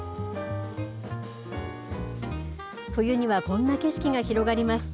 冬にはこんな景色が広がります。